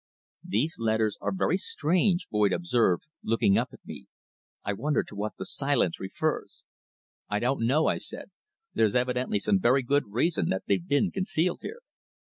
"These letters are very strange," Boyd observed, looking up at me. "I wonder to what the silence refers?" "I don't know," I said. "There's evidently some very good reason that they've been concealed here."